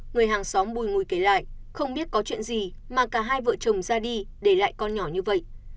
người hàng xóm bùi ngùi kể lại không biết có chuyện gì mà cả hai vợ chồng ra đi để lại con nhỏ như vậy